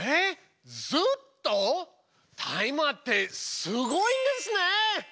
タイマーってすごいんですね！